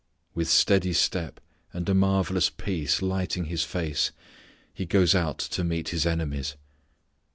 With steady step and a marvellous peace lighting His face He goes out to meet His enemies.